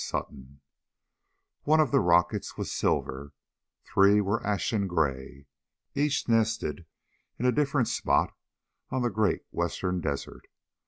PROLOGUE One of the rockets was silver; three were ashen gray. Each nested in a different spot on the great Western Desert.